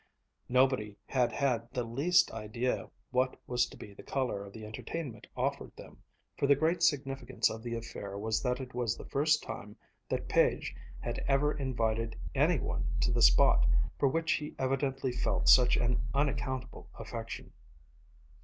Nobody had had the least idea what was to be the color of the entertainment offered them, for the great significance of the affair was that it was the first time that Page had ever invited any one to the spot for which he evidently felt such an unaccountable affection.